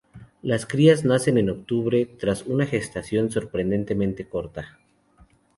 Las crías nacen en octubre, tras una gestación sorprendentemente corta.